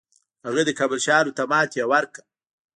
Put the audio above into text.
هغه د کابل شاهانو ته ماتې ورکړه